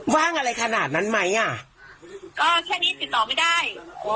ว่างอะไรขนาดนั้นไหมอ่ะก็แค่นี้ติดต่อไม่ได้